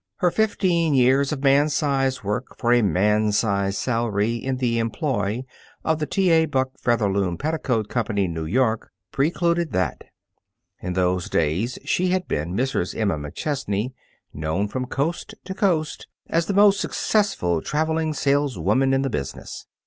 Her fifteen years of man size work for a man size salary in the employ of the T. A. Buck Featherloom Petticoat Company, New York, precluded that. In those days, she had been Mrs. Emma McChesney, known from coast to coast as the most successful traveling saleswoman in the business.